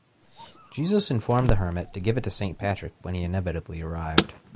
Jesus informed the hermit to give it to Saint Patrick when he inevitably arrived.